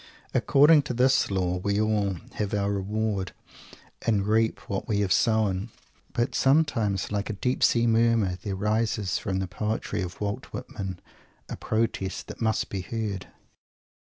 According to this Law, we all "have our reward" and reap what we have sown. But sometimes, like a deep sea murmur, there rises from the poetry of Walt Whitman a Protest that must be heard!